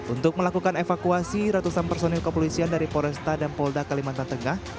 untuk melakukan evakuasi ratusan personil kepolisian dari poresta dan polda kalimantan tengah